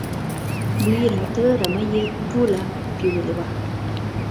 بوی راته، رمه یې ټوله بېولې وه.